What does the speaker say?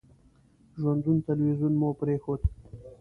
ژوندون تلویزیون مو پرېښود.